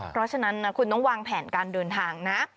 เพราะฉะนั้นนะคุณต้องวางแผนการเดินทางนะ